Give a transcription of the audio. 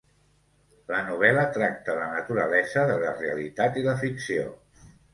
La novel·la tracta la naturalesa de la realitat i la ficció.